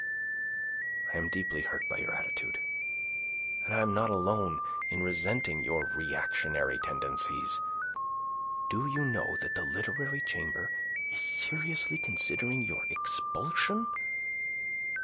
"I am deeply hurt by your attitude. And I am not alone in resenting your reactionary tendencies. Do you know that the Literary Chamber is seriously considering your expulsion?"